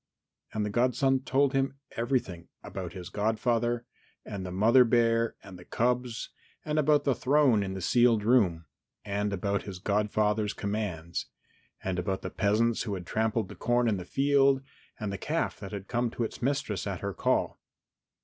And the godson told him everything about his godfather and the mother bear and the cubs and about the throne in the sealed room, and about his godfather's commands, and about the peasants who had trampled the corn in the field, and the calf that had come to its mistress at her call.